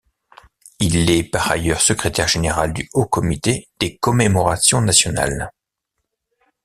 Il est par ailleurs secrétaire général du Haut comité des commémorations nationales.